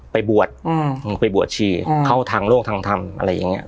ไปบวชไปบวชชีเข้าทางโลกทางธรรมอะไรอย่างนี้